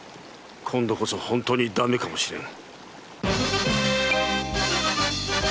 今度こそ本当に駄目かもしれぬ